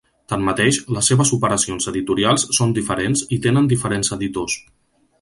Tanmateix, les seves operacions editorials són diferents i tenen diferents editors.